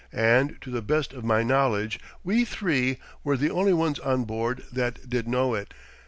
And to the best of my knowledge, we three were the only ones on board that did know it.